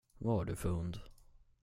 Vad har du för hund?